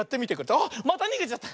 あっまたにげちゃった！